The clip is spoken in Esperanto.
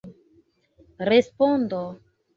respondo